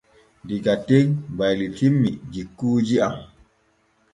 Diga den baylitinmi jikuuji am.